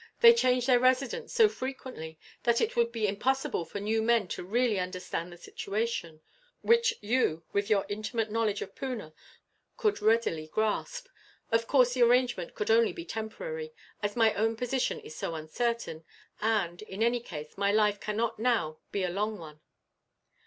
They change their Residents so frequently that it would be impossible for new men to really understand the situation; which you, with your intimate knowledge of Poona, could readily grasp. Of course the arrangement could only be temporary, as my own position is so uncertain and, in any case, my life cannot now be a long one.